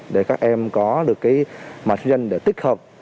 để các em có được cái mã số định danh để tích hợp